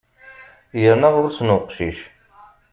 Yerna ɣur-sen uqcic.